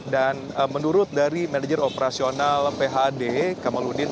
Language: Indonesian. dan menurut dari manajer operasional phd kamaludin